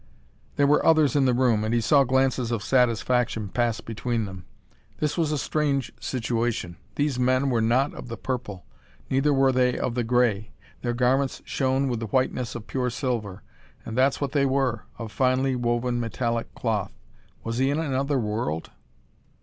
There were others in the room and he saw glances of satisfaction pass between them. This was a strange situation. These men were not of the purple. Neither were they of the gray. Their garments shone with the whiteness of pure silver. And that's what they were; of finely woven metallic cloth. Was he in another world?